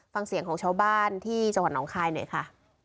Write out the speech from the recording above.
ฟังเสียงของชาวบ้านที่จังหวัดน้องคายหน่อยค่ะ